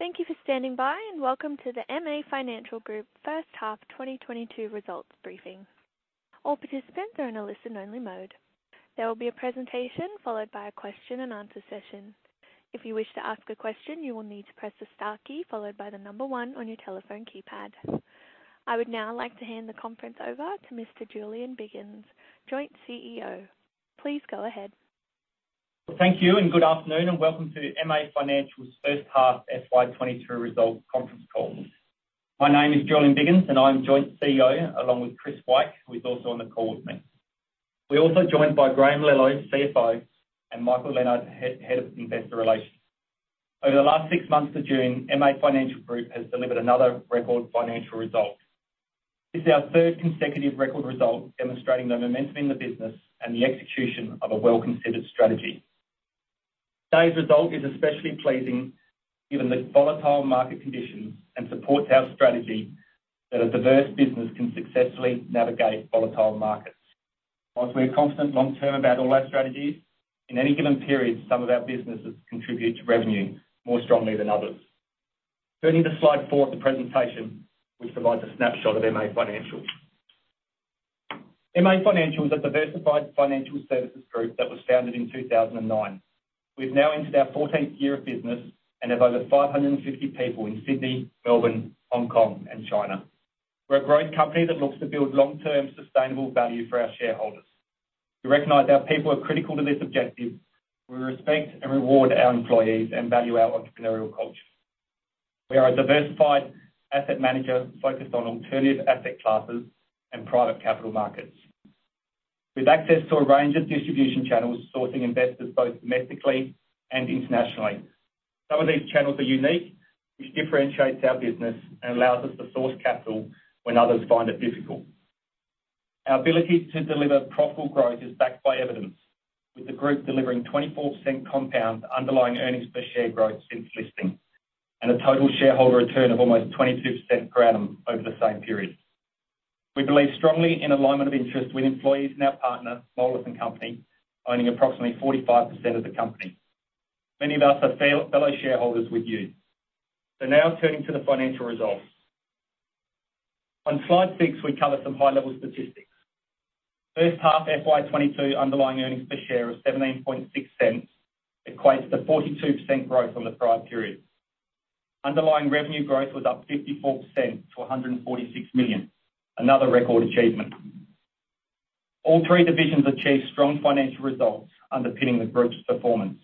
Thank you for standing by, and welcome to the MA Financial Group first half 2022 results briefing. All participants are in a listen only mode. There will be a presentation followed by a question and answer session. If you wish to ask a question, you will need to press the star key followed by the number one on your teleph one keypad. I would now like to hand the conference over to Please go ahead. Thank you and good afternoon, and welcome to MA Financial's first half FY 2022 results conference call. My name is Julian Biggins, and I'm Joint CEO, along with Chris Wyke, who is also on the call with me. We're also joined by Graham Lello, CFO, and Michael Leonard, Head of Investor Relations. Over the last six months to June, MA Financial Group has delivered another record financial result. This is our third consecutive record result, demonstrating the momentum in the business and the execution of a well-considered strategy. Today's result is especially pleasing given the volatile market conditions and supports our strategy that a diverse business can successfully navigate volatile markets. While we're confident long-term about all our strategies, in any given period, some of our businesses contribute to revenue more strongly than others. Turning to slide 4 of the presentation, which provides a snapshot of MA Financial. MA Financial is a diversified financial services group that was founded in 2009. We've now entered our 14th year of business and have over 550 people in Sydney, Melbourne, Hong Kong, and China. We're a growth company that looks to build long-term sustainable value for our shareholders. We recognize our people are critical to this objective. We respect and reward our employees and value our entrepreneurial culture. We are a diversified asset manager focused on alternative asset classes and private capital markets. With access to a range of distribution channels, sourcing investors both domestically and internationally. Some of these channels are unique, which differentiates our business and allows us to source capital when others find it difficult. Our ability to deliver profitable growth is backed by evidence, with the group delivering 24% compound underlying earnings per share growth since listing, and a total shareholder return of almost 22% per annum over the same period. We believe strongly in alignment of interest with employees and our partner, Moelis & Company, owning approximately 45% of the company. Many of us are fellow shareholders with you. Now turning to the financial results. On slide 6, we cover some high-level statistics. First half FY 2022 underlying earnings per share of 0.176 equates to 42% growth on the prior period. Underlying revenue growth was up 54% to 146 million, another record achievement. All three divisions achieved strong financial results underpinning the group's performance.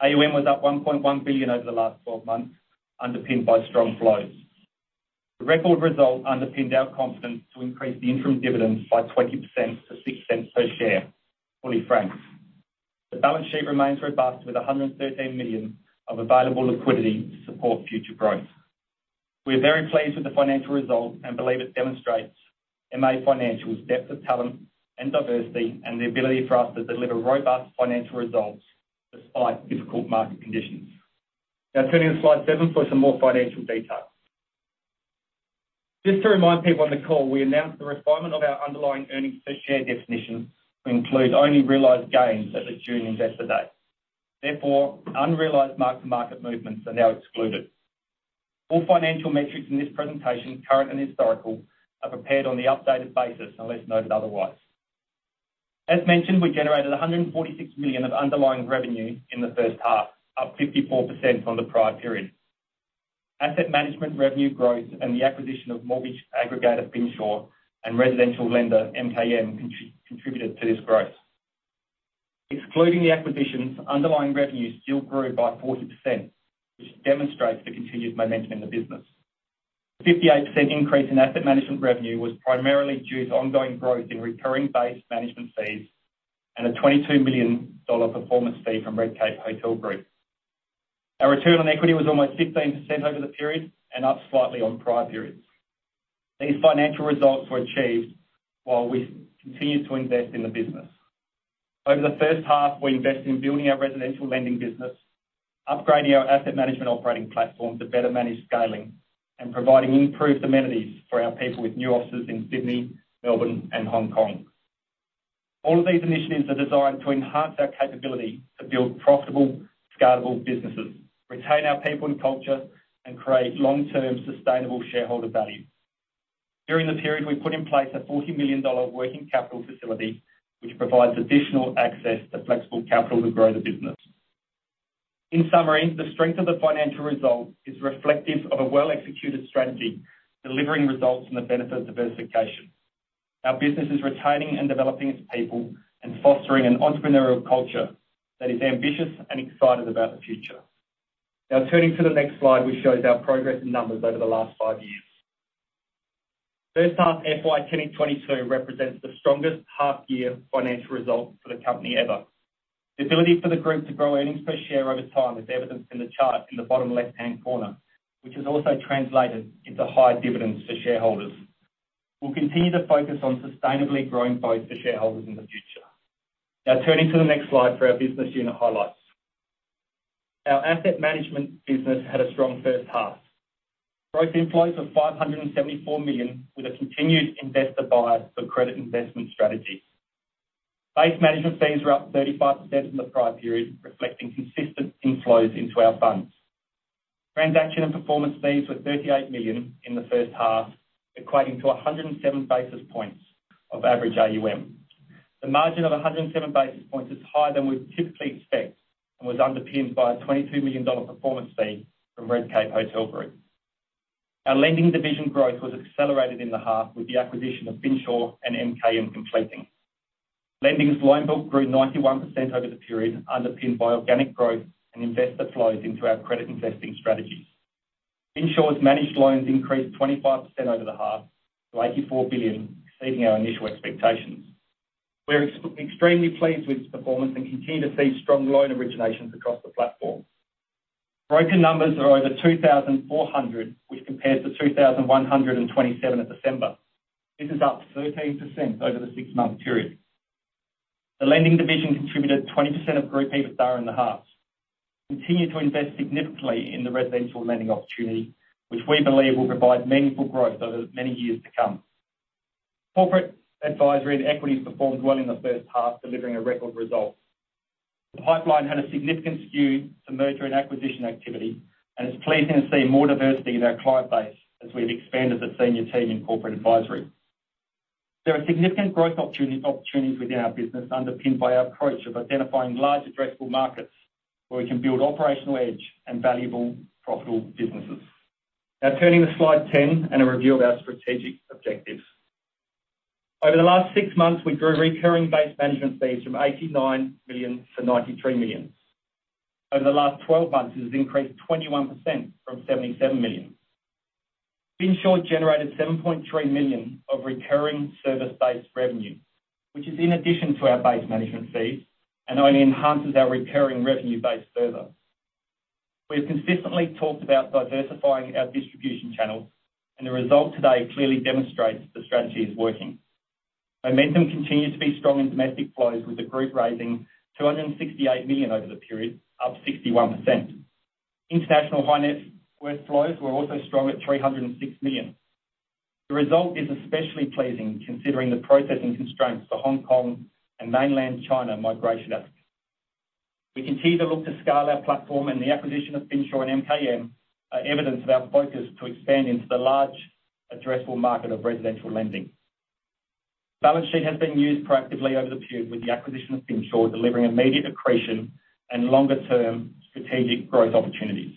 AUM was up 1.1 billion over the last 12 months, underpinned by strong flows. The record result underpinned our confidence to increase the interim dividends by 20% to 0.06 per share, fully franked. The balance sheet remains robust with 113 million of available liquidity to support future growth. We are very pleased with the financial results and believe it demonstrates MA Financial's depth of talent and diversity and the ability for us to deliver robust financial results despite difficult market conditions. Now turning to slide 7 for some more financial details. Just to remind people on the call, we announced the refinement of our underlying earnings per share definition to include only realized gains at the June investor date. Therefore, unrealized mark-to-market movements are now excluded. All financial metrics in this presentation, current and historical, are prepared on the updated basis, unless noted otherwise. As mentioned, we generated 146 million of underlying revenue in the first half, up 54% from the prior period. Asset management revenue growth and the acquisition of mortgage aggregator Finsure and residential lender MKM contributed to this growth. Excluding the acquisitions, underlying revenue still grew by 40%, which demonstrates the continued momentum in the business. 58% increase in asset management revenue was primarily due to ongoing growth in recurring base management fees and a 22 million dollar performance fee from Redcape Hotel Group. Our return on equity was almost 16% over the period and up slightly on prior periods. These financial results were achieved while we continued to invest in the business. Over the first half, we invested in building our residential lending business, upgrading our asset management operating platform to better manage scaling, and providing improved amenities for our people with new offices in Sydney, Melbourne, and Hong Kong. All of these initiatives are designed to enhance our capability to build profitable, scalable businesses, retain our people and culture, and create long-term sustainable shareholder value. During the period, we put in place a 40 million dollar working capital facility, which provides additional access to flexible capital to grow the business. In summary, the strength of the financial result is reflective of a well-executed strategy, delivering results from the benefit of diversification. Our business is retaining and developing its people and fostering an entrepreneurial culture that is ambitious and excited about the future. Now turning to the next slide, which shows our progress in numbers over the last five years. First half FY 2022 represents the strongest half year financial result for the company ever. The ability for the group to grow earnings per share over time is evidenced in the chart in the bottom left-hand corner, which has also translated into higher dividends for shareholders. We'll continue to focus on sustainably growing both for shareholders in the future. Now turning to the next slide for our business unit highlights. Our asset management business had a strong first half. Growth inflows of 574 million with a continued investor buy for credit investment strategy. Base management fees were up 35% from the prior period, reflecting consistent inflows into our funds. Transaction and performance fees were 38 million in the first half, equating to 107 basis points of average AUM. The margin of 107 basis points is higher than we typically expect and was underpinned by a 22 million dollar performance fee from Redcape Hotel Group. Our lending division growth was accelerated in the half with the acquisition of Finsure and MKM completing. Lending's loan book grew 91% over the period, underpinned by organic growth and investor flows into our credit investing strategies. Finsure's managed loans increased 25% over the half to 84 billion, exceeding our initial expectations. We're extremely pleased with its performance and continue to see strong loan originations across the platform. Broker numbers are over 2,400, which compares to 2,127 at December. This is up 13% over the six-month period. The lending division contributed 20% of group EBITDA in the half. We continue to invest significantly in the residential lending opportunity, which we believe will provide meaningful growth over many years to come. Corporate advisory and equity performed well in the first half, delivering a record result. The pipeline had a significant skew to merger and acquisition activity, and it's pleasing to see more diversity in our client base as we've expanded the senior team in corporate advisory. There are significant growth opportunities within our business, underpinned by our approach of identifying large addressable markets where we can build operational edge and valuable profitable businesses. Now turning to slide 10 and a review of our strategic objectives. Over the last six months, we grew recurring base management fees from 89 million to 93 million. Over the last 12 months, this has increased 21% from 77 million. Finsure generated 7.3 million of recurring service-based revenue, which is in addition to our base management fees and only enhances our recurring revenue base further. We have consistently talked about diversifying our distribution channels, and the result today clearly demonstrates the strategy is working. Momentum continued to be strong in domestic flows, with the group raising 268 million over the period, up 61%. International high-net-worth flows were also strong at 306 million. The result is especially pleasing considering the processing constraints for Hong Kong and Mainland China migration apps. We continue to look to scale our platform, and the acquisition of Finsure and MKM are evidence of our focus to expand into the large addressable market of residential lending. Balance sheet has been used proactively over the period, with the acquisition of Finsure delivering immediate accretion and longer-term strategic growth opportunities.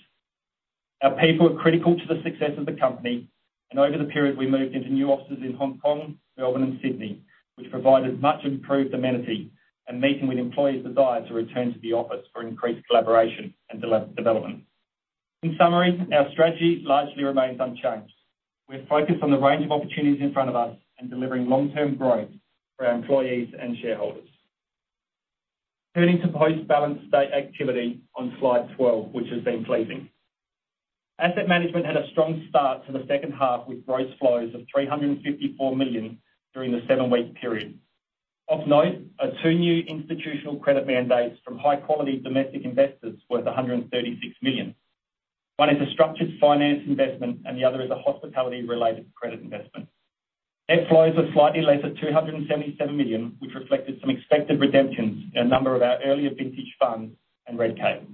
Our people are critical to the success of the company, and over the period, we moved into new offices in Hong Kong, Melbourne, and Sydney, which provided much-improved amenity and meeting with employees' desire to return to the office for increased collaboration and development. In summary, our strategy largely remains unchanged. We're focused on the range of opportunities in front of us and delivering long-term growth for our employees and shareholders. Turning to post-balance sheet activity on slide 12, which has been pleasing. Asset management had a strong start to the second half, with gross flows of 354 million during the seven-week period. Of note are two new institutional credit mandates from high-quality domestic investors worth 136 million. One is a structured finance investment, and the other is a hospitality-related credit investment. Net flows were slightly less at 277 million, which reflected some expected redemptions in a number of our earlier vintage funds and Redcape.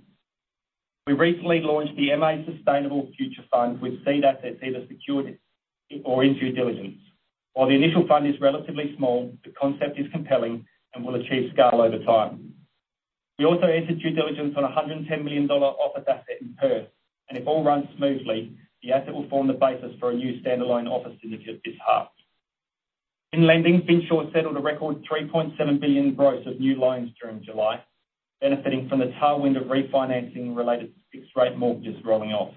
We recently launched the MA Sustainable Future Fund, with seed assets either secured or in due diligence. While the initial fund is relatively small, the concept is compelling and will achieve scale over time. We also entered due diligence on a 110 million dollar office asset in Perth, and if all runs smoothly, the asset will form the basis for a new standalone office syndicate of this half. In lending, Finsure settled a record 3.7 billion growth of new loans during July, benefiting from the tailwind of refinancing related to fixed-rate mortgages rolling off.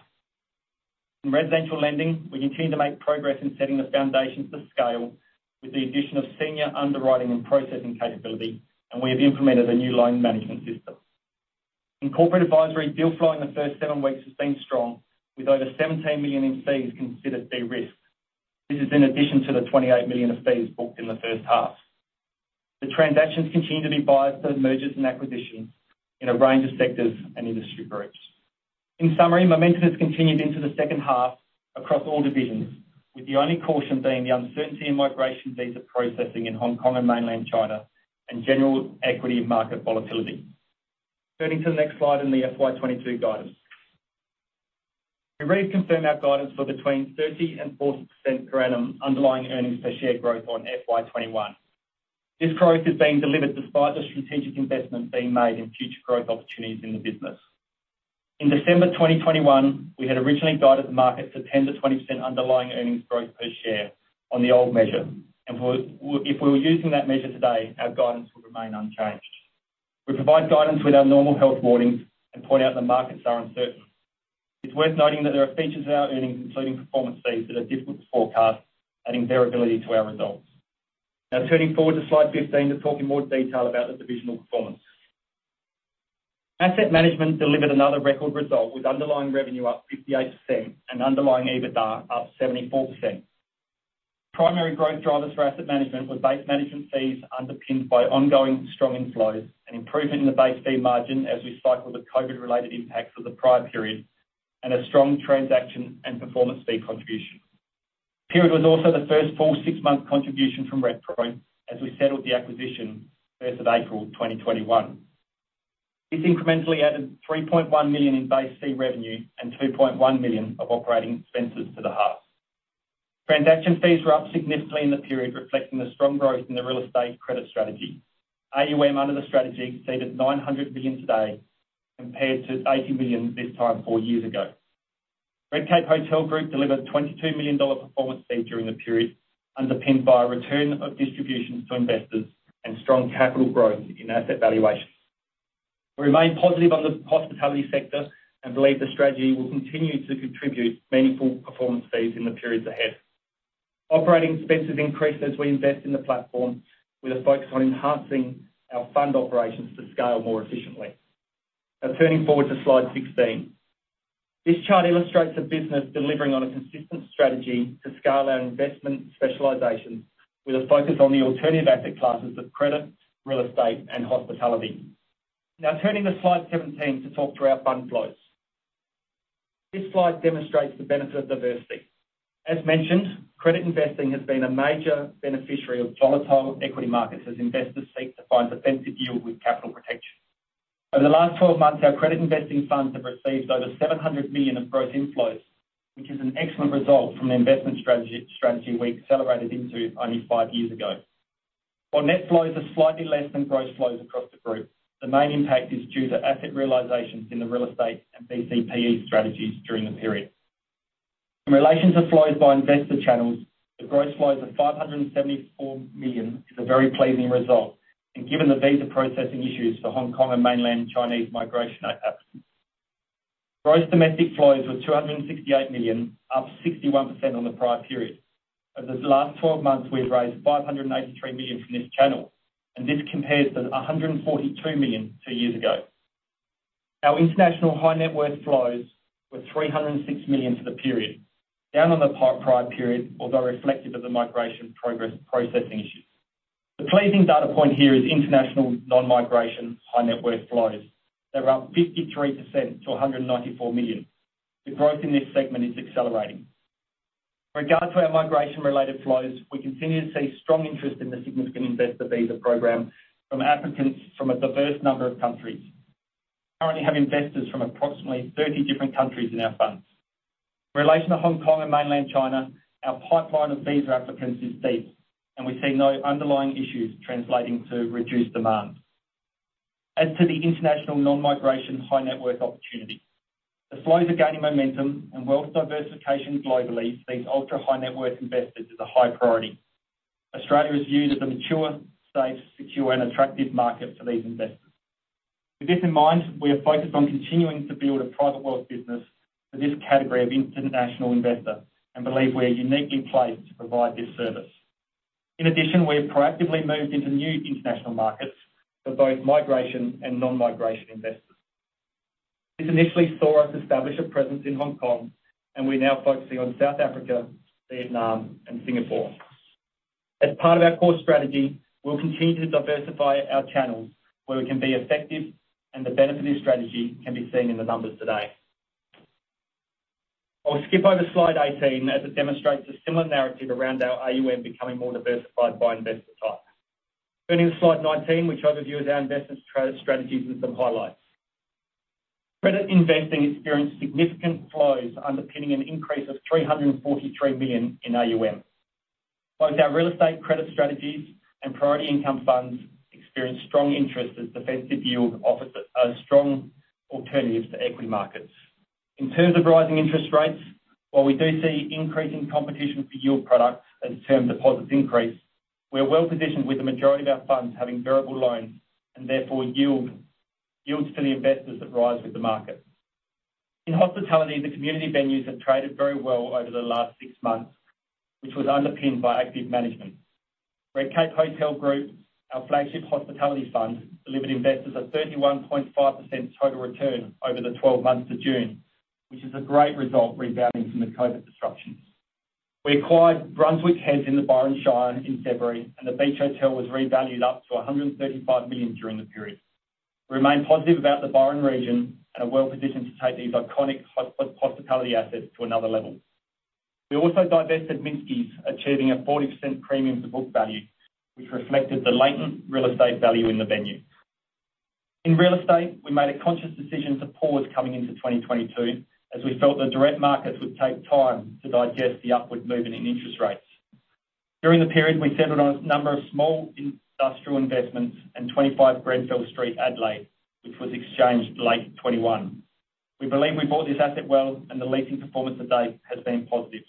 In residential lending, we continue to make progress in setting the foundations for scale with the addition of senior underwriting and processing capability, and we have implemented a new loan management system. In corporate advisory, deal flow in the first seven weeks has been strong, with over 17 million in fees considered de-risked. This is in addition to the 28 million of fees booked in the first half. The transactions continue to be biased towards mergers and acquisitions in a range of sectors and industry groups. In summary, momentum has continued into the second half across all divisions, with the only caution being the uncertainty in migration visa processing in Hong Kong and Mainland China and general equity market volatility. Turning to the next slide and the FY 2022 guidance. We reconfirm our guidance for between 30% and 40% per annum underlying earnings per share growth on FY 2021. This growth is being delivered despite the strategic investments being made in future growth opportunities in the business. In December 2021, we had originally guided the market for 10%-20% underlying earnings growth per share on the old measure. If we were using that measure today, our guidance would remain unchanged. We provide guidance with our normal health warnings and point out that markets are uncertain. It's worth noting that there are features in our earnings, including performance fees, that are difficult to forecast, adding variability to our results. Now, turning forward to slide 15 to talk in more detail about the divisional performance. Asset management delivered another record result, with underlying revenue up 58% and underlying EBITDA up 74%. Primary growth drivers for asset management were base management fees underpinned by ongoing strong inflows, an improvement in the base fee margin as we cycle the COVID-related impacts of the prior period, and a strong transaction and performance fee contribution. Period was also the first full six-month contribution from Redcape, as we settled the acquisition first of April 2021. This incrementally added 3.1 million in base fee revenue and 2.1 million of operating expenses to the half. Transaction fees were up significantly in the period, reflecting the strong growth in the real estate credit strategy. AUM under the strategy exceeded 900 billion today compared to 80 billion this time four years ago. Redcape Hotel Group delivered 22 million dollar performance fee during the period, underpinned by a return of distributions to investors and strong capital growth in asset valuations. We remain positive on the hospitality sector and believe the strategy will continue to contribute meaningful performance fees in the periods ahead. Operating expenses increased as we invest in the platform, with a focus on enhancing our fund operations to scale more efficiently. Now turning forward to slide 16. This chart illustrates the business delivering on a consistent strategy to scale our investment specializations with a focus on the alternative asset classes of credit, real estate and hospitality. Now turning to slide 17 to talk through our fund flows. This slide demonstrates the benefit of diversity. As mentioned, credit investing has been a major beneficiary of volatile equity markets as investors seek to find defensive yield with capital protection. Over the last 12 months, our credit investing funds have received over 700 million of gross inflows, which is an excellent result from the investment strategy we accelerated into only five years ago. While net flows are slightly less than gross flows across the group, the main impact is due to asset realizations in the real estate and BCPE strategies during the period. In relation to flows by investor channels, the gross flows of 574 million is a very pleasing result, and given the visa processing issues for Hong Kong and mainland Chinese migration applicants. Gross domestic flows were 268 million, up 61% on the prior period. Over the last 12 months, we've raised 583 million from this channel, and this compares to 142 million two years ago. Our international high net worth flows were 306 million for the period, down on the prior period, although reflective of the migration processing issues. The pleasing data point here is international non-migration high net worth flows. They're up 53% to 194 million. The growth in this segment is accelerating. In regards to our migration-related flows, we continue to see strong interest in the Significant Investor Visa program from applicants from a diverse number of countries. Currently have investors from approximately 30 different countries in our funds. In relation to Hong Kong and mainland China, our pipeline of visa applicants is deep, and we see no underlying issues translating to reduced demand. As to the international non-migration high net worth opportunity, the flows are gaining momentum and wealth diversification globally for these ultra-high net worth investors is a high priority. Australia is viewed as a mature, safe, secure and attractive market for these investors. With this in mind, we are focused on continuing to build a private wealth business for this category of international investor and believe we are uniquely placed to provide this service. In addition, we have proactively moved into new international markets for both migration and non-migration investors. This initially saw us establish a presence in Hong Kong, and we're now focusing on South Africa, Vietnam and Singapore. As part of our core strategy, we'll continue to diversify our channels where we can be effective and the benefit of strategy can be seen in the numbers today. I'll skip over slide 18 as it demonstrates a similar narrative around our AUM becoming more diversified by investor type. Turning to slide 19, which overviews our investment strategies with some highlights. Credit investing experienced significant flows underpinning an increase of 343 million in AUM. Both our real estate credit strategies and priority income funds experienced strong interest as defensive yield offers a strong alternatives to equity markets. In terms of rising interest rates, while we do see increasing competition for yield products as term deposits increase, we are well-positioned with the majority of our funds having variable loans and therefore yields to the investors that rise with the market. In hospitality, the community venues have traded very well over the last six months, which was underpinned by active management. Redcape Hotel Group, our flagship hospitality fund, delivered investors a 31.5% total return over the twelve months to June, which is a great result rebounding from the COVID disruptions. We acquired Brunswick Heads in the Byron Shire in February, and the Beach Hotel was revalued up to 135 million during the period. We remain positive about the Byron region and are well-positioned to take these iconic hospitality assets to another level. We also divested Minsky's, achieving a 40% premium to book value, which reflected the latent real estate value in the venue. In real estate, we made a conscious decision to pause coming into 2022 as we felt the direct markets would take time to digest the upward movement in interest rates. During the period, we settled on a number of small industrial investments and 25 Grenfell Street, Adelaide, which was exchanged late 2021. We believe we bought this asset well and the leasing performance to date has been positive.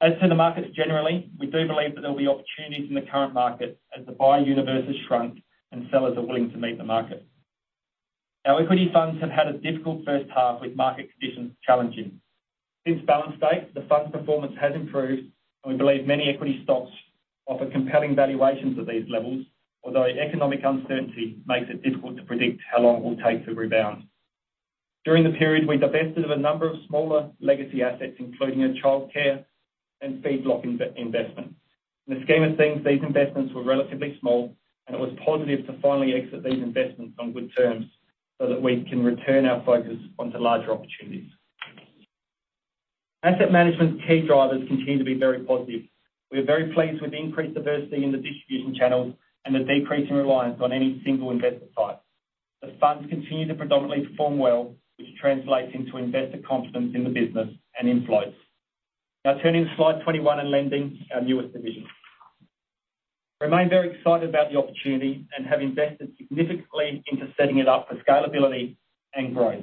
As to the markets generally, we do believe that there will be opportunities in the current market as the buyer universe has shrunk and sellers are willing to meet the market. Our equity funds have had a difficult first half with market conditions challenging. Since balance date, the fund performance has improved and we believe many equity stocks offer compelling valuations at these levels, although economic uncertainty makes it difficult to predict how long it will take to rebound. During the period, we divested of a number of smaller legacy assets, including a childcare and feedlot investment. In the scheme of things, these investments were relatively small, and it was positive to finally exit these investments on good terms so that we can return our focus onto larger opportunities. Asset Management's key drivers continue to be very positive. We are very pleased with the increased diversity in the distribution channels and the decreasing reliance on any single investor type. The funds continue to predominantly perform well, which translates into investor confidence in the business and inflows. Now turning to slide 21 in lending, our newest division. Remain very excited about the opportunity and have invested significantly into setting it up for scalability and growth.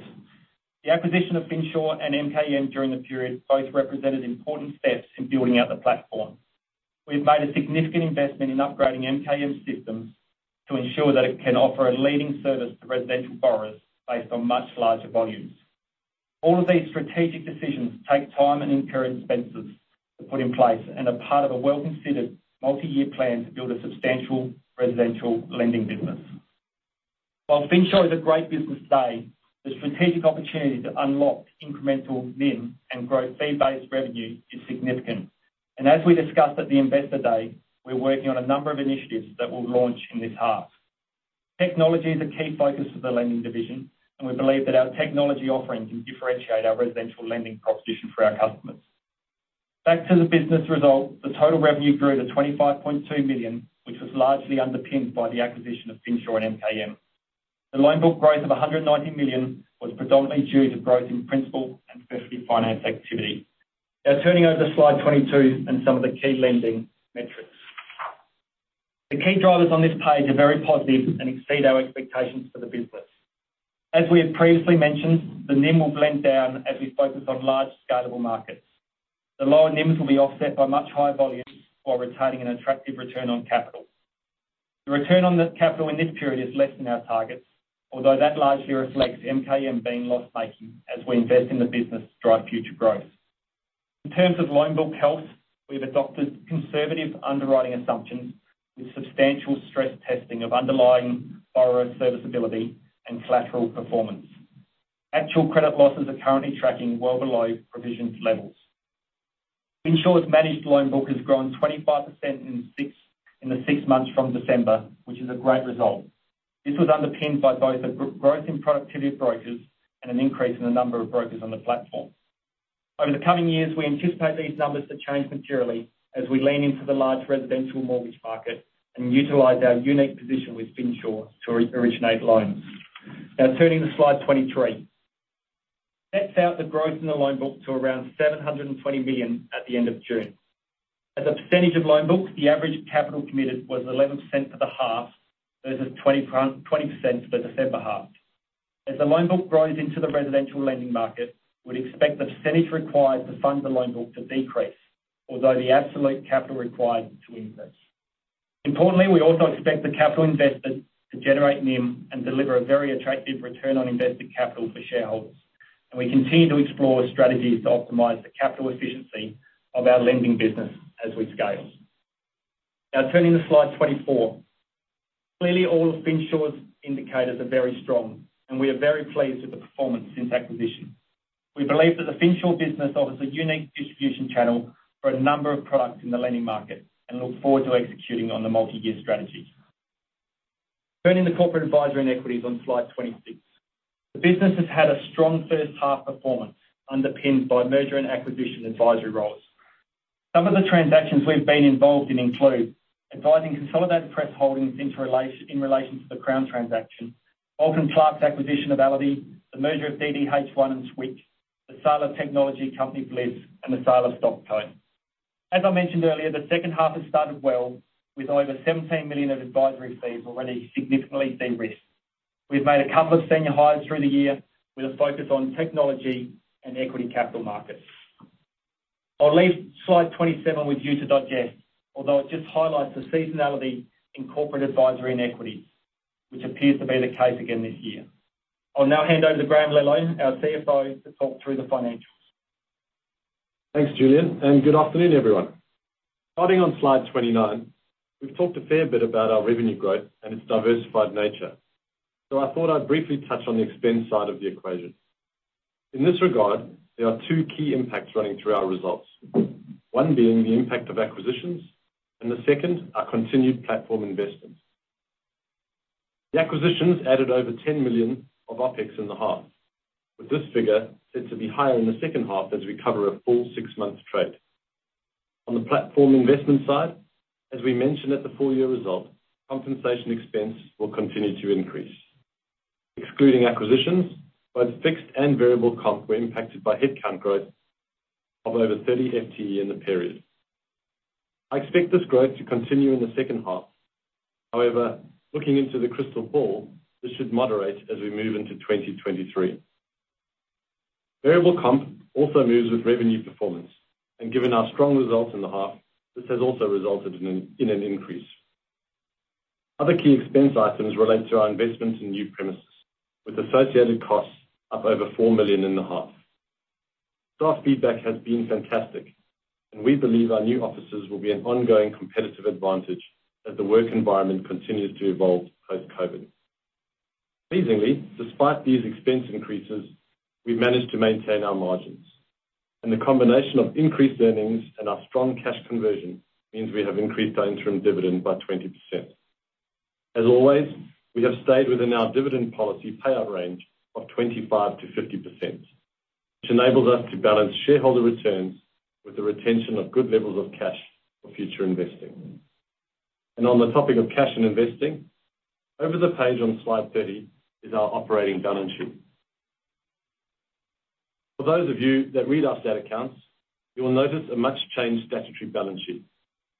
The acquisition of Finsure and MKM during the period both represented important steps in building out the platform. We've made a significant investment in upgrading MKM systems to ensure that it can offer a leading service to residential borrowers based on much larger volumes. All of these strategic decisions take time and incur expenses to put in place and are part of a well-considered multi-year plan to build a substantial residential lending business. While Finsure is a great business today, the strategic opportunity to unlock incremental NIM and grow fee-based revenue is significant. As we discussed at the Investor Day, we're working on a number of initiatives that we'll launch in this half. Technology is a key focus of the lending division, and we believe that our technology offering can differentiate our residential lending proposition for our customers. Back to the business result, the total revenue grew to 25.2 million, which was largely underpinned by the acquisition of Finsure and MKM. The loan book growth of 190 million was predominantly due to growth in principal and specialty finance activity. Now turning over to slide 22 and some of the key lending metrics. The key drivers on this page are very positive and exceed our expectations for the business. As we have previously mentioned, the NIM will blend down as we focus on large scalable markets. The lower NIMs will be offset by much higher volumes while retaining an attractive return on capital. The return on the capital in this period is less than our targets, although that largely reflects MKM being loss-making as we invest in the business to drive future growth. In terms of loan book health, we've adopted conservative underwriting assumptions with substantial stress testing of underlying borrower serviceability and collateral performance. Actual credit losses are currently tracking well below provisions levels. Issued managed loan book has grown 25% in the six months from December, which is a great result. This was underpinned by both growth in productivity of brokers and an increase in the number of brokers on the platform. Over the coming years, we anticipate these numbers to change materially as we lean into the large residential mortgage market and utilize our unique position with Finsure to re-originate loans. Now turning to slide 23. Nets out the growth in the loan book to around 720 million at the end of June. As a percentage of loan book, the average capital committed was 11% for the half versus 20% for the December half. As the loan book grows into the residential lending market, we'd expect the percentage required to fund the loan book to decrease, although the absolute capital required to increase. Importantly, we also expect the capital invested to generate NIM and deliver a very attractive return on invested capital for shareholders, and we continue to explore strategies to optimize the capital efficiency of our lending business as we scale. Now turning to slide 24. Clearly, all of Finsure's indicators are very strong, and we are very pleased with the performance since acquisition. We believe that the Finsure business offers a unique distribution channel for a number of products in the lending market and look forward to executing on the multi-year strategy. Turning to Corporate Advisory and Equities on slide 26. The business has had a strong first half performance underpinned by merger and acquisition advisory roles. Some of the transactions we've been involved in include advising Consolidated Press Holdings in relation to the Crown transaction, Macquarie's acquisition of Allity, the merger of DDH1 and Swick, the sale of technology company Blis, and the sale of Stockdot. As I mentioned earlier, the second half has started well, with over 17 million of advisory fees already significantly de-risked. We've made a couple of senior hires through the year with a focus on technology and equity capital markets. I'll leave slide 27 with you to digest, although it just highlights the seasonality in Corporate Advisory and Equity, which appears to be the case again this year. I'll now hand over to Graham Lello, our CFO, to talk through the financials. Thanks, Julian, and good afternoon, everyone. Starting on slide 29, we've talked a fair bit about our revenue growth and its diversified nature. I thought I'd briefly touch on the expense side of the equation. In this regard, there are two key impacts running through our results. One being the impact of acquisitions, and the second, our continued platform investments. The acquisitions added over 10 million of OpEx in the half, with this figure set to be higher in the second half as we cover a full six-month trade. On the platform investment side, as we mentioned at the full-year result, compensation expense will continue to increase. Excluding acquisitions, both fixed and variable comp were impacted by headcount growth of over 30 FTE in the period. I expect this growth to continue in the second half. However, looking into the crystal ball, this should moderate as we move into 2023. Variable comp also moves with revenue performance, and given our strong results in the half, this has also resulted in an increase. Other key expense items relate to our investments in new premises, with associated costs up over 4 million in the half. Staff feedback has been fantastic, and we believe our new offices will be an ongoing competitive advantage as the work environment continues to evolve post-COVID. Amazingly, despite these expense increases, we've managed to maintain our margins. The combination of increased earnings and our strong cash conversion means we have increased our interim dividend by 20%. As always, we have stayed within our dividend policy payout range of 25%-50%, which enables us to balance shareholder returns with the retention of good levels of cash for future investing. On the topic of cash and investing, over the page on slide 30 is our operating balance sheet. For those of you that read our statutory accounts, you will notice a much-changed statutory balance sheet,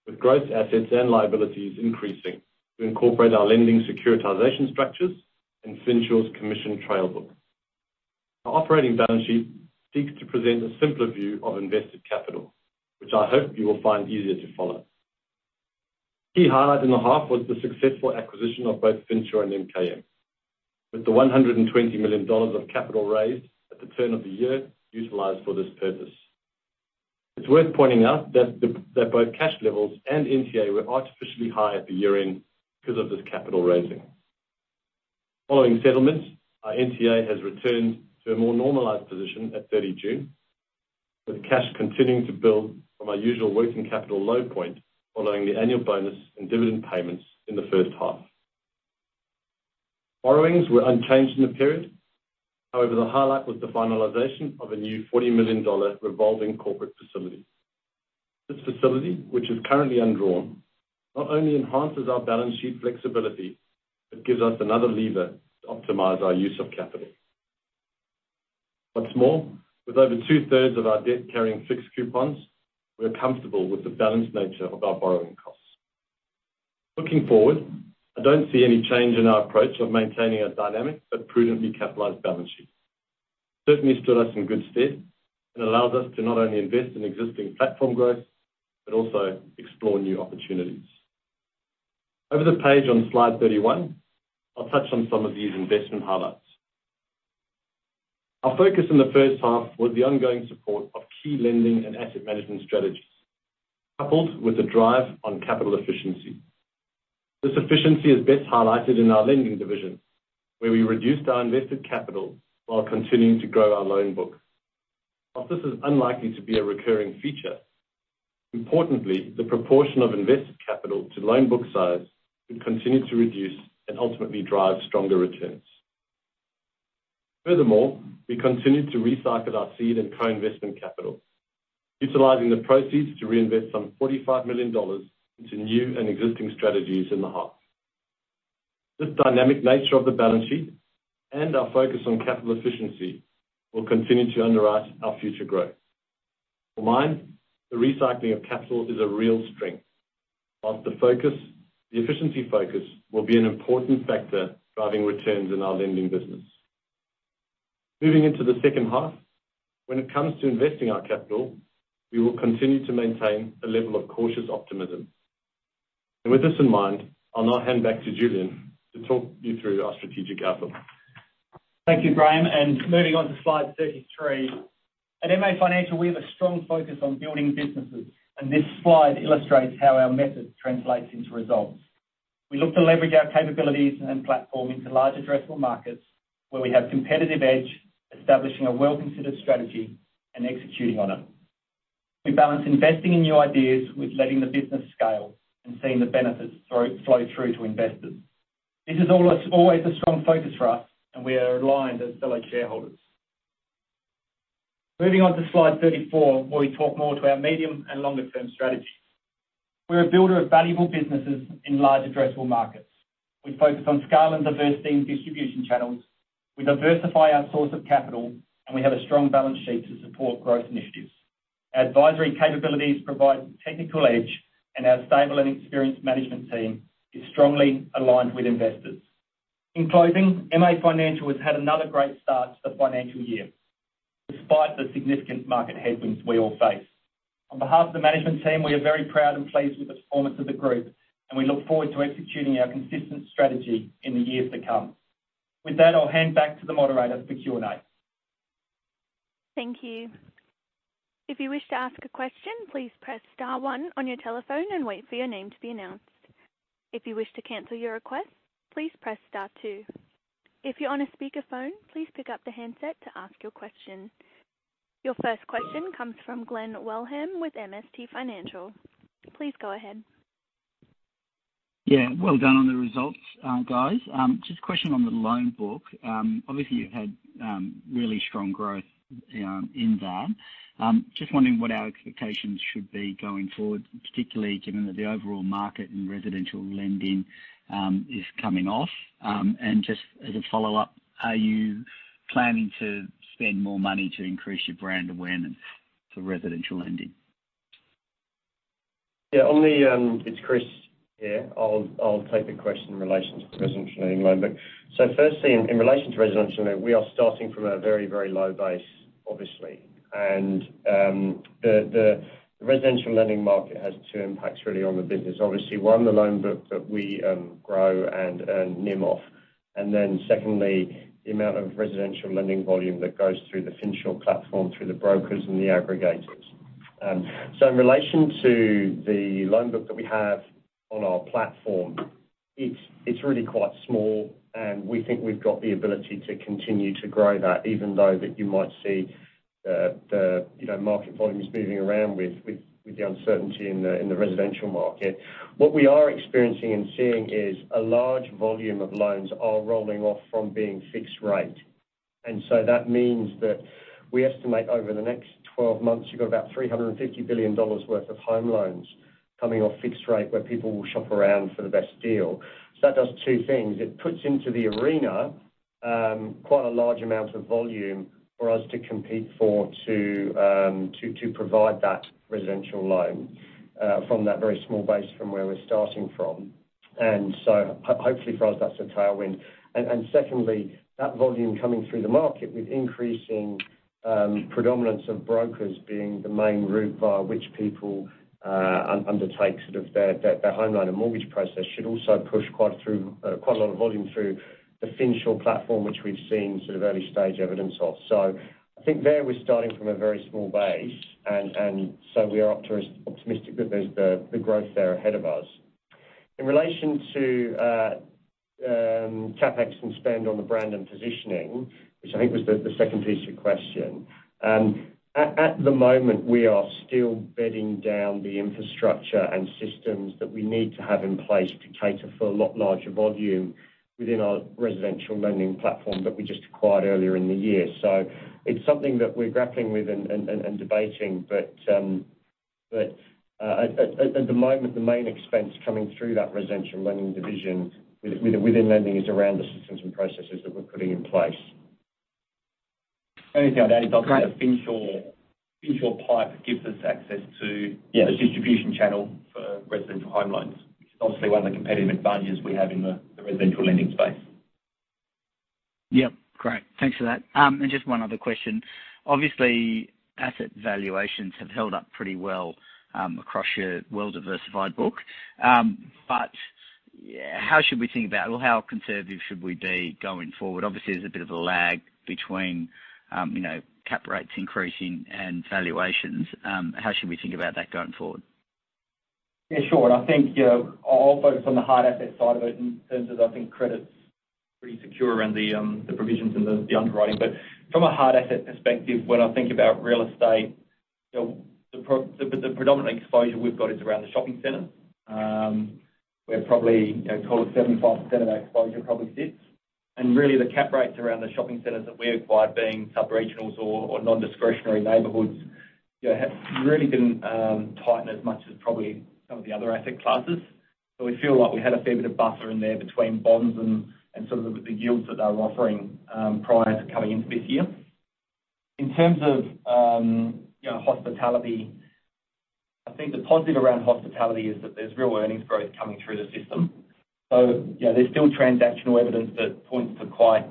with gross assets and liabilities increasing to incorporate our lending securitization structures and Finsure's commission trail book. Our operating balance sheet seeks to present a simpler view of invested capital, which I hope you will find easier to follow. Key highlight in the half was the successful acquisition of both Finsure and MKM, with the 120 million dollars of capital raised at the turn of the year utilized for this purpose. It's worth pointing out that both cash levels and NTA were artificially high at the year-end because of this capital raising. Following settlements, our NTA has returned to a more normalized position at 30 June, with cash continuing to build from our usual working capital low point following the annual bonus and dividend payments in the first half. Borrowings were unchanged in the period. However, the highlight was the finalization of a new 40 million dollar revolving corporate facility. This facility, which is currently undrawn, not only enhances our balance sheet flexibility, it gives us another lever to optimize our use of capital. What's more, with over two-thirds of our debt carrying fixed coupons, we're comfortable with the balanced nature of our borrowing costs. Looking forward, I don't see any change in our approach of maintaining a dynamic but prudently capitalized balance sheet. Certainly stood us in good stead and allows us to not only invest in existing platform growth but also explore new opportunities. Over the page on slide 31, I'll touch on some of these investment highlights. Our focus in the first half was the ongoing support of key lending and asset management strategies, coupled with the drive on capital efficiency. This efficiency is best highlighted in our lending division, where we reduced our invested capital while continuing to grow our loan book. While this is unlikely to be a recurring feature, importantly, the proportion of invested capital to loan book size can continue to reduce and ultimately drive stronger returns. Furthermore, we continued to recycle our seed and co-investment capital, utilizing the proceeds to reinvest some 45 million dollars into new and existing strategies in the half. This dynamic nature of the balance sheet and our focus on capital efficiency will continue to underwrite our future growth. For mine, the recycling of capital is a real strength, while the focus, the efficiency focus will be an important factor driving returns in our lending business. Moving into the second half, when it comes to investing our capital, we will continue to maintain a level of cautious optimism. With this in mind, I'll now hand back to Julian to talk you through our strategic outlook. Thank you, Graham, and moving on to slide 33. At MA Financial, we have a strong focus on building businesses, and this slide illustrates how our method translates into results. We look to leverage our capabilities and platform into large addressable markets where we have competitive edge, establishing a well-considered strategy and executing on it. We balance investing in new ideas with letting the business scale and seeing the benefits flow through to investors. This is always a strong focus for us, and we are aligned as fellow shareholders. Moving on to slide 34, where we talk more to our medium and longer-term strategies. We're a builder of valuable businesses in large addressable markets. We focus on scale and diverse distribution channels. We diversify our source of capital, and we have a strong balance sheet to support growth initiatives. Our advisory capabilities provide technical edge, and our stable and experienced management team is strongly aligned with investors. In closing, MA Financial has had another great start to the financial year, despite the significant market headwinds we all face. On behalf of the management team, we are very proud and pleased with the performance of the group, and we look forward to executing our consistent strategy in the years to come. With that, I'll hand back to the moderator for Q&A. Thank you. If you wish to ask a question, please press star one on your telephone and wait for your name to be announced. If you wish to cancel your request, please press star two. If you're on a speakerphone, please pick up the handset to ask your question. Your first question comes from Glenn Wilhelm with MST Financial. Please go ahead. Yeah. Well done on the results, guys. Just a question on the loan book. Obviously you've had really strong growth in that. Just wondering what our expectations should be going forward, particularly given that the overall market in residential lending is coming off. Just as a follow-up, are you planning to spend more money to increase your brand awareness for residential lending? It's Chris here. I'll take the question in relation to the residential lending loan book. Firstly, in relation to residential lending, we are starting from a very low base, obviously. The residential lending market has two impacts really on the business. Obviously, one, the loan book that we grow and earn NIM off. Secondly, the amount of residential lending volume that goes through the Finsure platform, through the brokers and the aggregators In relation to the loan book that we have on our platform, it's really quite small, and we think we've got the ability to continue to grow that even though you might see the you know market volumes moving around with the uncertainty in the residential market. What we are experiencing and seeing is a large volume of loans are rolling off from being fixed rate. That means that we estimate over the next 12 months, you've got about 350 billion dollars worth of home loans coming off fixed rate where people will shop around for the best deal. That does two things. It puts into the arena quite a large amount of volume for us to compete for to provide that residential loan from that very small base from where we're starting from. Secondly, that volume coming through the market with increasing predominance of brokers being the main route via which people undertake sort of their home loan and mortgage process should also push quite a lot of volume through the Finsure platform, which we've seen sort of early-stage evidence of. I think that we're starting from a very small base and so we are optimistic that there's the growth there ahead of us. In relation to CapEx and spend on the brand and positioning, which I think was the second piece of your question, at the moment, we are still bedding down the infrastructure and systems that we need to have in place to cater for a lot larger volume within our residential lending platform that we just acquired earlier in the year. It's something that we're grappling with and debating. At the moment, the main expense coming through that residential lending division within lending is around the systems and processes that we're putting in place. Only thing I'd add is I think the Finsure pipeline gives us access to Yeah the distribution channel for residential home loans, which is obviously one of the competitive advantages we have in the residential lending space. Yep, great. Thanks for that. Just one other question. Obviously, asset valuations have held up pretty well across your well-diversified book. How should we think about or how conservative should we be going forward? Obviously, there's a bit of a lag between, you know, cap rates increasing and valuations. How should we think about that going forward? Yeah, sure. I think, you know, I'll focus on the hard asset side of it in terms of I think credit's pretty secure around the provisions and the underwriting. From a hard asset perspective, when I think about real estate, you know, the predominant exposure we've got is around the shopping centers, where probably, you know, call it 75% of exposure probably sits. Really, the cap rates around the shopping centers that we acquired being sub-regionals or non-discretionary neighborhoods, you know, have really been tightened as much as probably some of the other asset classes. We feel like we had a fair bit of buffer in there between bonds and some of the yields that they were offering prior to coming into this year. In terms of, you know, hospitality, I think the positive around hospitality is that there's real earnings growth coming through the system. Yeah, there's still transactional evidence that points to quite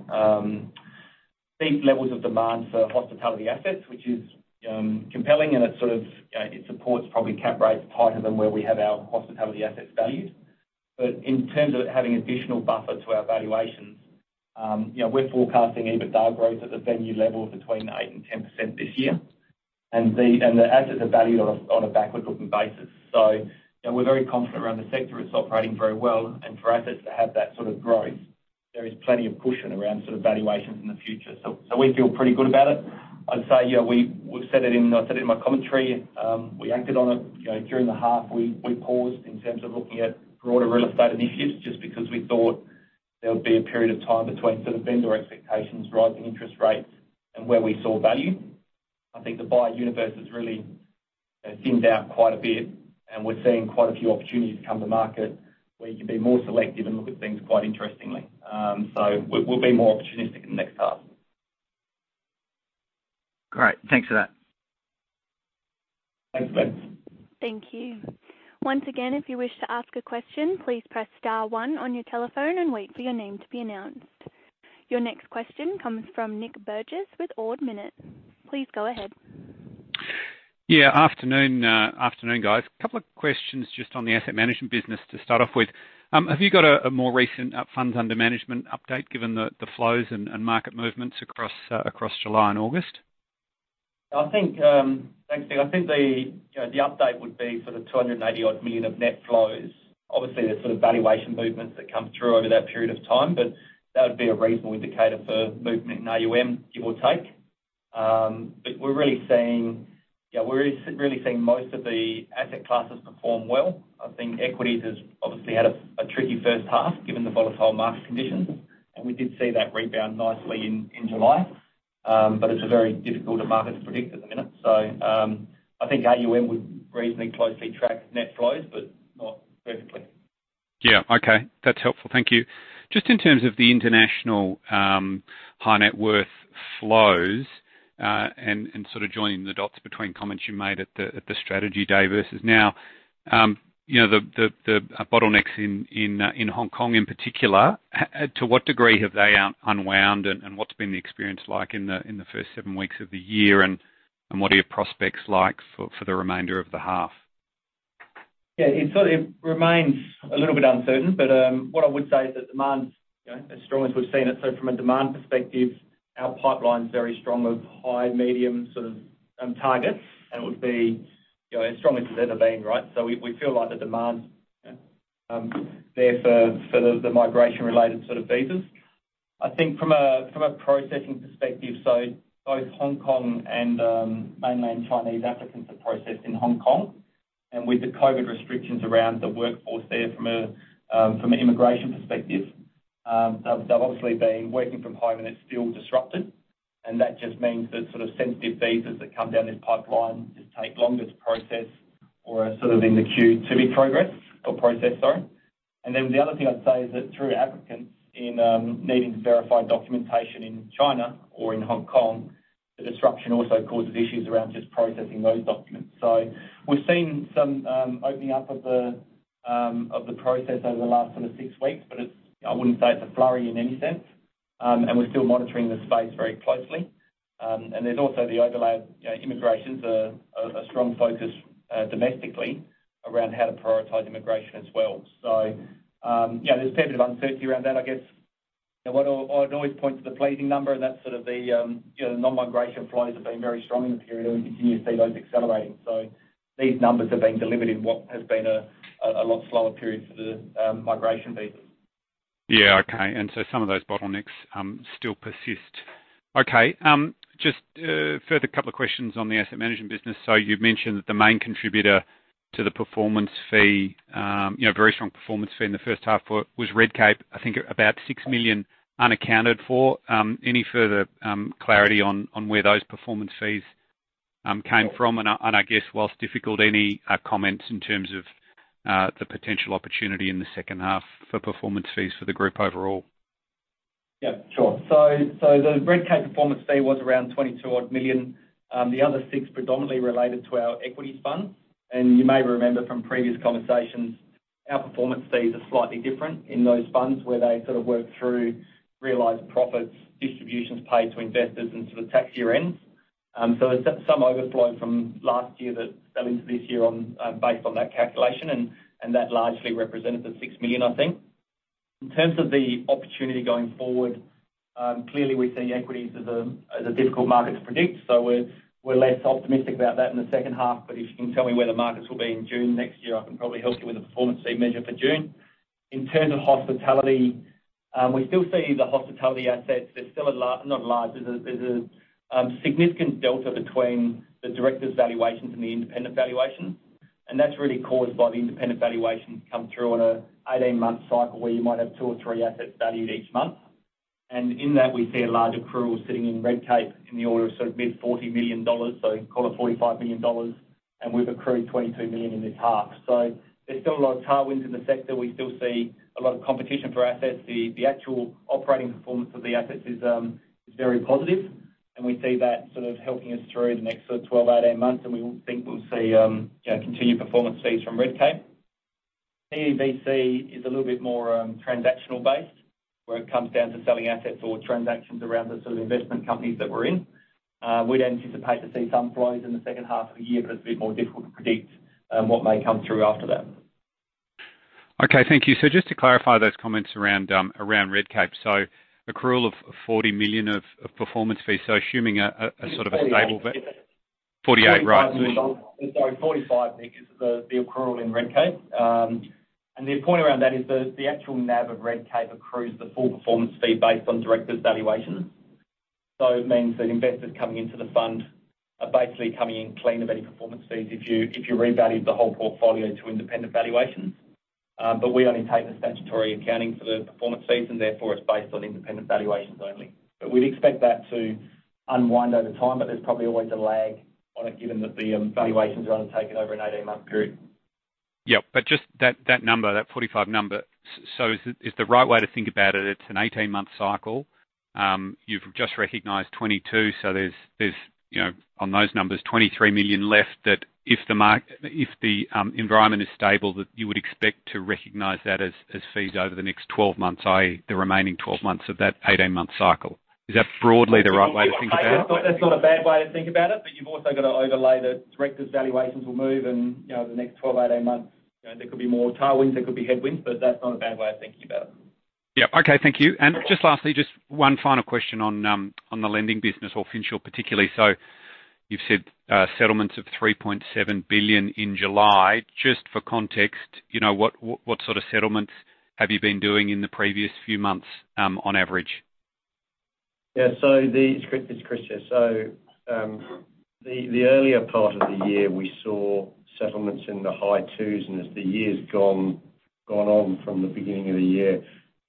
deep levels of demand for hospitality assets, which is compelling, and it sort of, you know, it supports probably cap rates tighter than where we have our hospitality assets valued. In terms of having additional buffer to our valuations, you know, we're forecasting EBITDA growth at the venue level between 8% and 10% this year. The assets are valued on a backward-looking basis. You know, we're very confident around the sector. It's operating very well. For assets to have that sort of growth, there is plenty of cushion around sort of valuations in the future. We feel pretty good about it. I'd say, you know, we've said it in. I said it in my commentary. We acted on it. You know, during the half, we paused in terms of looking at broader real estate initiatives just because we thought there would be a period of time between sort of vendor expectations, rising interest rates, and where we saw value. I think the buyer universe has really, you know, thinned out quite a bit, and we're seeing quite a few opportunities come to market where you can be more selective and look at things quite interestingly. We'll be more opportunistic in the next half. Great. Thanks for that. Thanks, Glenn. Thank you. Once again, if you wish to ask a question, please press star one on your telephone and wait for your name to be announced. Your next question comes from Nic Burgess with Ord Minnett. Please go ahead. Afternoon, guys. A couple of questions just on the asset management business to start off with. Have you got a more recent funds under management update given the flows and market movements across July and August? I think, thanks, Nic. I think the update would be sort of 280 odd million of net flows. Obviously, there's sort of valuation movements that come through over that period of time, but that would be a reasonable indicator for movement in AUM, give or take. We're really seeing most of the asset classes perform well. I think equities has obviously had a tricky first half given the volatile market conditions, and we did see that rebound nicely in July. It's a very difficult market to predict at the minute. I think AUM would reasonably closely track net flows, but not perfectly. Yeah. Okay. That's helpful. Thank you. Just in terms of the international high net worth flows, and sort of joining the dots between comments you made at the strategy day versus now, you know, the bottlenecks in Hong Kong in particular, to what degree have they unwound and what's been the experience like in the first seven weeks of the year, and what are your prospects like for the remainder of the half? Yeah, it sort of remains a little bit uncertain, but what I would say is that demand's, you know, as strong as we've seen it. From a demand perspective, our pipeline's very strong of high, medium sort of targets, and it would be, you know, as strong as it's ever been, right? We feel like the demand there for the migration-related sort of visas. I think from a processing perspective, so both Hong Kong and mainland Chinese applicants are processed in Hong Kong. With the COVID restrictions around the workforce there from an immigration perspective, they'll obviously be working from home, and it's still disrupted. That just means that sort of significant visas that come down this pipeline just take longer to process or are sort of in the queue to be progressed or processed, sorry. Then the other thing I'd say is that for applicants in needing to verify documentation in China or in Hong Kong, the disruption also causes issues around just processing those documents. We've seen some opening up of the process over the last sort of six weeks, but I wouldn't say it's a flurry in any sense. We're still monitoring the space very closely. There's also the overlay, you know, immigration is a strong focus domestically around how to prioritize immigration as well. Yeah, there's a fair bit of uncertainty around that. I'd always point to the pleasing number, and that's sort of the, you know, non-migration flows have been very strong in the period and we continue to see those accelerating. These numbers have been delivered in what has been a lot slower period for the migration visas. Yeah, okay. Some of those bottlenecks still persist. Okay, just further couple of questions on the asset management business. You've mentioned that the main contributor to the performance fee, you know, very strong performance fee in the first half was Redcape, I think about 6 million unaccounted for. Any further clarity on where those performance fees came from? I guess while difficult, any comments in terms of the potential opportunity in the second half for performance fees for the group overall? Yeah, sure. The Redcape performance fee was around 22 odd million. The other six predominantly related to our equities fund. You may remember from previous conversations, our performance fees are slightly different in those funds, where they sort of work through realized profits, distributions paid to investors and sort of tax year ends. There's some overflow from last year that fell into this year based on that calculation and that largely represented the 6 million, I think. In terms of the opportunity going forward, clearly we see equities as a difficult market to predict, so we're less optimistic about that in the second half. If you can tell me where the markets will be in June next year, I can probably help you with the performance fee measure for June. In terms of hospitality, we still see the hospitality assets, there's still a significant delta between the directors' valuations and the independent valuations, and that's really caused by the independent valuations come through on a 18-month cycle where you might have two or three assets valued each month. In that, we see a large accrual sitting in Redcape in the order of sort of mid-AUD 40 million, so call it 45 million dollars, and we've accrued 22 million in this half. There's still a lot of tailwinds in the sector. We still see a lot of competition for assets. The actual operating performance of the assets is very positive, and we see that sort of helping us through the next sort of 12-18 months, and we think we'll see, you know, continued performance fees from Redcape. PEVC is a little bit more transactional based, where it comes down to selling assets or transactions around the sort of investment companies that we're in. We'd anticipate to see some flows in the second half of the year, but it's a bit more difficult to predict what may come through after that. Okay, thank you. Just to clarify those comments around Redcape. Accrual of 40 million of performance fees. Assuming a sort of a stable- 48. 48, right. Sorry, 45 because of the accrual in Redcape. The point around that is the actual NAV of Redcape accrues the full performance fee based on directors' valuations. It means that investors coming into the fund are basically coming in clean of any performance fees if you revalued the whole portfolio to independent valuations. We only take the statutory accounting for the performance fees, and therefore it's based on independent valuations only. We'd expect that to unwind over time, but there's probably always a lag on it given that the valuations are undertaken over an 18-month period. Yeah, just that number, the 45 number. Is the right way to think about it an 18-month cycle? You've just recognized 22 million, so there's, you know, on those numbers, 23 million left that if the environment is stable, that you would expect to recognize that as fees over the next 12 months, i.e., the remaining 12 months of that 18-month cycle. Is that broadly the right way to think about it? That's not a bad way to think about it, but you've also got to overlay the directors' valuations will move in, you know, the next 12, 18 months. You know, there could be more tailwinds, there could be headwinds, but that's not a bad way of thinking about it. Yeah. Okay, thank you. Just lastly, just one final question on the lending business or Finsure particularly. So you've said settlements of 3.7 billion in July. Just for context, you know, what sort of settlements have you been doing in the previous few months on average? Yeah. It's Chris here. The earlier part of the year, we saw settlements in the high twos, and as the year's gone on from the beginning of the year,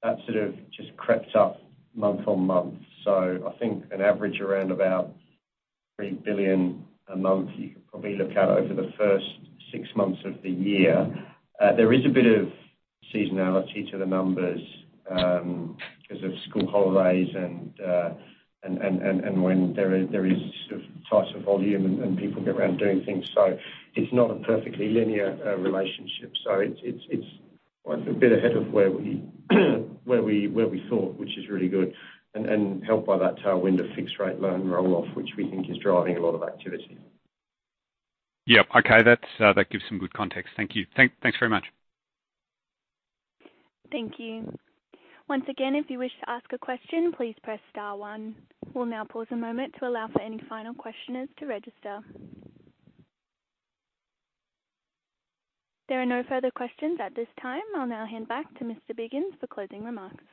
that sort of just crept up month-on-month. I think an average around about 3 billion a month, you could probably look out over the first six months of the year. There is a bit of seasonality to the numbers, because of school holidays and when there is sort of tighter volume and people get around doing things. It's not a perfectly linear relationship. It's quite a bit ahead of where we thought, which is really good, and helped by that tailwind of fixed rate loan roll-off, which we think is driving a lot of activity. Yeah. Okay. That's that gives some good context. Thank you. Thanks very much. Thank you. Once again, if you wish to ask a question, please press star one. We'll now pause a moment to allow for any final questioners to register. There are no further questions at this time. I'll now hand back to Mr. Biggins for closing remarks.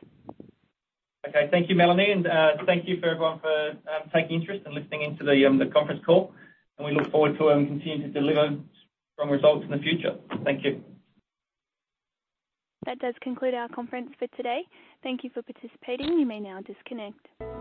Okay. Thank you, Melanie, and thank you, everyone, for taking interest and listening in to the conference call, and we look forward to continuing to deliver strong results in the future. Thank you. That does conclude our conference for today. Thank you for participating. You may now disconnect.